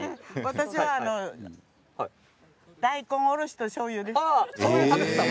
大根おろしとしょうゆです。